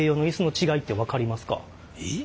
えっ？